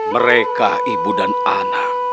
mereka ibu dan anak